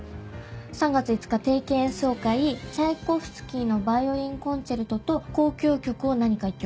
「３月５日定期演奏会チャイコフスキーの『ヴァイオリンコンチェルト』と交響曲を何か１曲」。